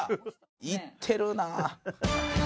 いってるなあ。